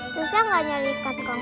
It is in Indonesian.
susah gak nyari ikan kong